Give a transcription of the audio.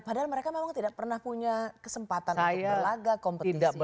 padahal mereka memang tidak pernah punya kesempatan untuk berlaga kompetisi